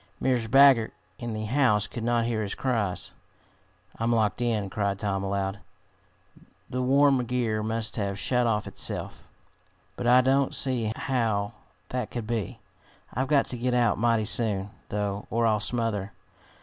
Mrs. Baggert, in the house, could not hear his cries. "I'm locked in!" cried Tom aloud. "The worm gear must have shut of itself. But I don't see how that could be. I've got to get out mighty soon, though, or I'll smother.